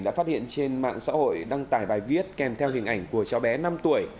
đã phát hiện trên mạng xã hội đăng tải bài viết kèm theo hình ảnh của cháu bé năm tuổi